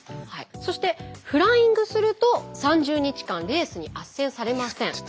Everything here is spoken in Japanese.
そしてフライングすると３０日間レースに斡旋されません。